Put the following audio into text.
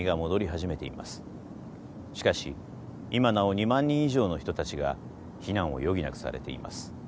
しかし今なお２万人以上の人たちが避難を余儀なくされています。